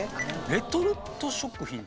レトルト食品って。